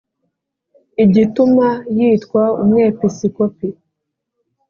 Igituma yitwa umwepisikopi